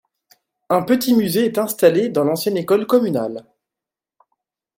Un petit musée est installé dans l'ancienne école communale.